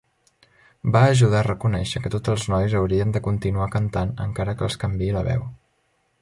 Va ajudar a reconèixer que tots els nois haurien de continuar cantant encara que els canviï la veu.